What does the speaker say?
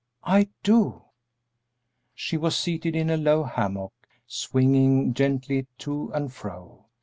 "I do." She was seated in a low hammock, swinging gently to and fro.